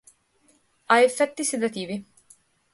Ha effetti sedativi.